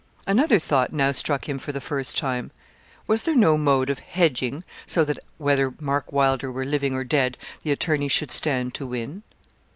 Another thought now struck him for the first time. Was there no mode of 'hedging,' so that whether Mark Wylder were living or dead the attorney should stand to win?